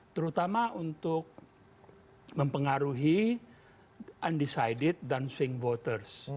terutama untuk mempengaruhi undecided dan swing voters